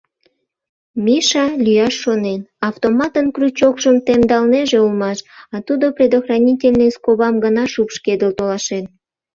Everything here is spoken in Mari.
Миша, лӱяш шонен, автоматын крючокшым темдалнеже улмаш, а тудо предохранительный скобам гына шупшкедыл толашен.